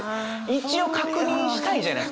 一応確認したいじゃないですか。